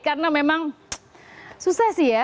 karena memang susah sih ya